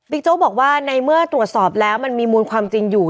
โจ๊กบอกว่าในเมื่อตรวจสอบแล้วมันมีมูลความจริงอยู่